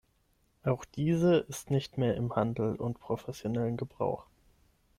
Auch diese ist nicht mehr im Handel und professionellen Gebrauch.